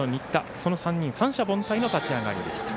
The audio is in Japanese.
その３人三者凡退の立ち上がりでした。